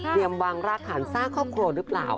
เบรียมวางรากฐานซะครอบครัวหรือเปล่า